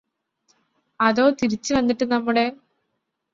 അതോ തിരിച്ച് വന്നിട്ട് നമ്മുടെ